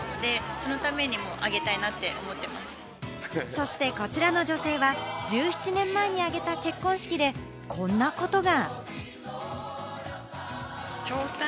そしてこちらの女性は１７年前に挙げた結婚式で、こんなことが。